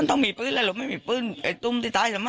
ก็ต้องมีปืนหรือไม่มีปืนไอตุ้มติ๊๊ไตล่ะไม่อ่ะ